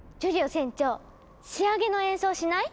船長仕上げの演奏しない？